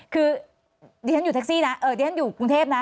คือเดี๋ยวฉันอยู่ทักซี่นะเอ่อเดี๋ยวฉันอยู่กรุงเทพนะ